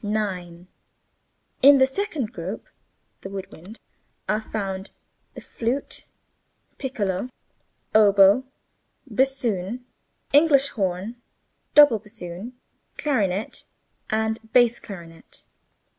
9. In the second group (the wood wind) are found the flute, piccolo, oboe, bassoon, English horn, double bassoon, clarinet, and bass clarinet.